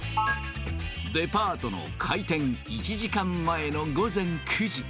デパートの開店１時間前の午前９時。